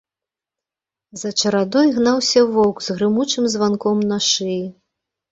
За чарадой гнаўся воўк з грымучым званком на шыі.